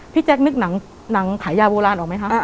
แจ๊คนึกหนังขายยาโบราณออกไหมคะ